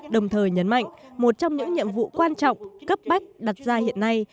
đồng thời nhấn mạnh một trong những nhiệm vụ quan trọng cấp bách đặt ra hiện nay